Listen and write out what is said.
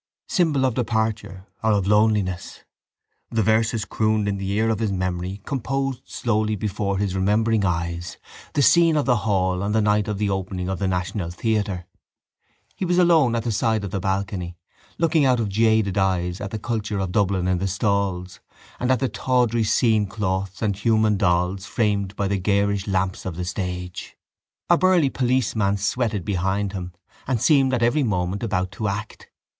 Symbol of departure or of loneliness? The verses crooned in the ear of his memory composed slowly before his remembering eyes the scene of the hall on the night of the opening of the national theatre. He was alone at the side of the balcony, looking out of jaded eyes at the culture of Dublin in the stalls and at the tawdry scenecloths and human dolls framed by the garish lamps of the stage. A burly policeman sweated behind him and seemed at every moment about to act.